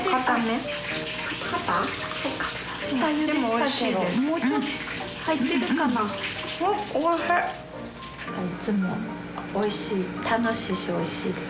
いっつもおいしい楽しいしおいしいです。